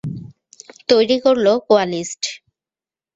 তৈরি করল কোয়ালিস্ট।